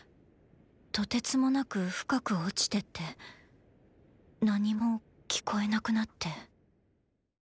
とてつもなく深く落ちてって何も聞こえなくなって。